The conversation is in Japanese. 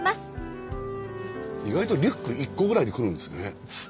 意外とリュック１個ぐらいで来るんですね。